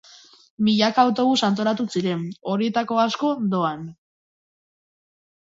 Milaka autobus antolatu ziren, horietako asko doan.